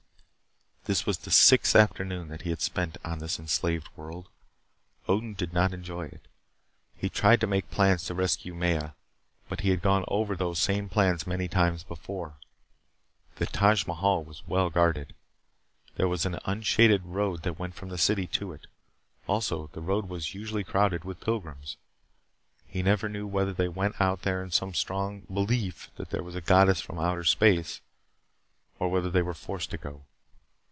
This was the sixth afternoon that he had spent on this enslaved world. Odin did not enjoy it. He tried to make plans to rescue Maya, but he had gone over those same plans many times before. The Taj Mahal was well guarded. There was an unshaded road that went from the city to it. Also, the road was usually crowded with pilgrims. He never knew whether they went out there in some strong belief that here was a goddess from outer space, or whether they were forced to go.